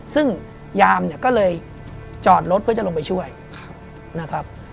ซึ่งยามเนี่ยก็เลยจอดรถเพื่อจะลงไปช่วยนะครับ